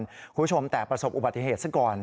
คุณผู้ชมแต่ประสบอุบัติเหตุซะก่อน